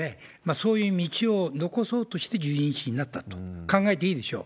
そういう道を残そうとして１７日になったと考えていいでしょう。